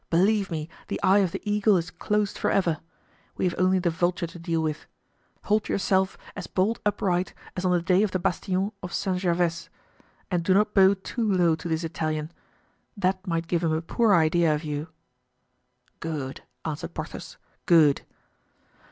Believe me, the eye of the eagle is closed forever. We have only the vulture to deal with. Hold yourself as bolt upright as on the day of the bastion of St. Gervais, and do not bow too low to this Italian; that might give him a poor idea of you." "Good!" answered Porthos. "Good!"